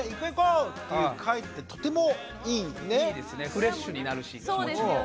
フレッシュになるし気持ちも。